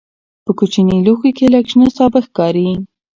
په کوچني لوښي کې لږ شنه سابه ښکاري.